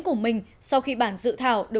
của mọi người